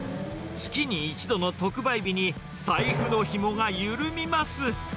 月に１度の特売日に、財布のひもが緩みます。